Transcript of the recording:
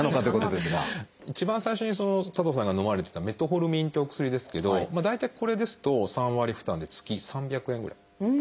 一番最初に佐藤さんがのまれてたメトホルミンってお薬ですけど大体これですと３割負担で月３００円ぐらい。